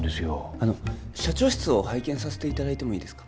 あの社長室を拝見させていただいてもいいですか？